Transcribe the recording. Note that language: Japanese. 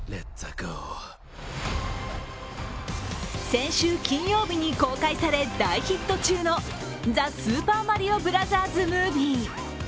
先週金曜日に公開され、大ヒット中の「ザ・スーパーマリオブラザーズ・ムービー」。